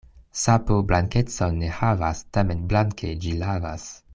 Sapo blankecon ne havas, tamen blanke ĝi lavas.